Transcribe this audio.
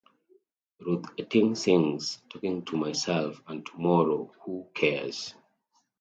Ruth Etting sings "Talking to Myself" and "Tomorrow, Who Cares?